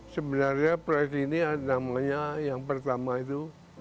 sebenarnya proyek ini namanya yang pertama itu